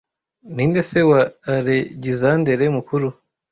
Ni nde se wa Alegizandere Mukuru